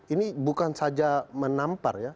ini bukan saja menampar ya